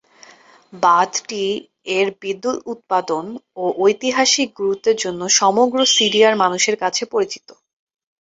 বাঁধটি এর বিদ্যুৎ উৎপাদন ও ঐতিহাসিক গুরুত্বের জন্য সমগ্র সিরিয়ায় মানুষের কাছে পরিচিত।